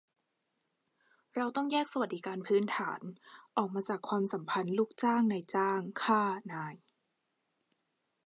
เราต้องแยกสวัสดิการพื้นฐาน ออกมาจากความสัมพันธ์ลูกจ้าง-นายจ้าง ข้า-นาย